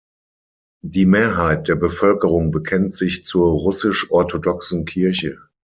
Die Mehrheit der Bevölkerung bekennt sich zur Russisch-Orthodoxen Kirche.